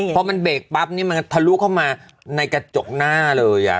พอมันเบรกปั๊บนี่มันทะลุเข้ามาในกระจกหน้าเลยอ่ะ